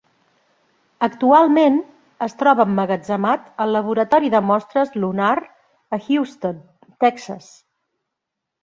Actualment es troba emmagatzemat al laboratori de mostres Lunar a Houston, Texas.